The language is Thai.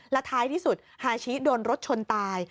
และท้ายที่สุดฮาชิโดนรถชนตาย